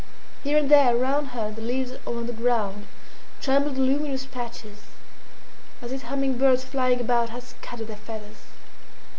Here and there around her, in the leaves or on the ground, trembled luminous patches, as it hummingbirds flying about had scattered their feathers.